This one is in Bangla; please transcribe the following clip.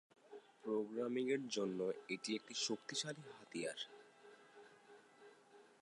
প্রোগ্রামিং এর জন্য এটি একটি শক্তিশালী হাতিয়ার।